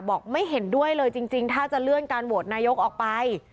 บอกไม่เห็นด้วยเลยจริงถ้าจะเลื่อนการโหวตนายกออกไป